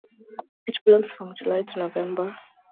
It blooms from July to November.